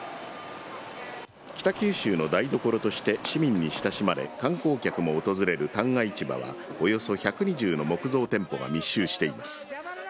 北九州の台所として、市民に親しまれ、観光客も訪れる旦過市場は、およそ１２０の木造店舗が密集しています。